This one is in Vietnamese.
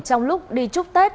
trong lúc đi chúc tết